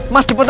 mas cepetan ya